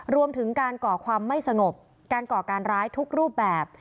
รวมถึงการก่อความไม่สงบการก่อการร้ายทุกรูปแบบ